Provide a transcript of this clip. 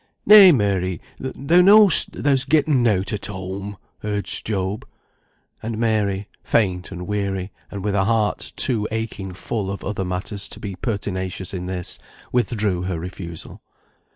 "Nay, Mary, thou know'st thou'st getten nought at home," urged Job. And Mary, faint and weary, and with a heart too aching full of other matters to be pertinacious in this, withdrew her refusal.